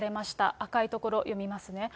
赤いところ、読みますね。